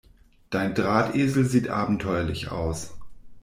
Dein Drahtesel sieht abenteuerlich aus.